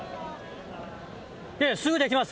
いや、すぐできます。